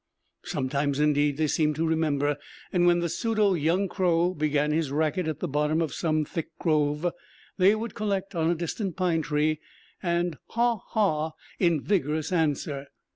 Sometimes, indeed, they seemed to remember; and when the pseudo young crow began his racket at the bottom of some thick grove they would collect on a distant pine tree and haw haw in vigorous answer.